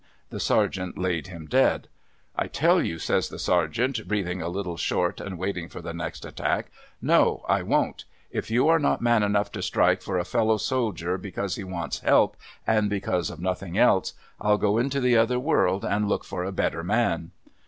The Sergeant laid him dead. ' I tell you,' says the Sergeant, breathing a little short, and waiting for the next attack, ' no. I won't. If you are not man enough to strike for a fellow soldier because he wants help, and because of nothing else, I'll go into the other world and look for a better man.'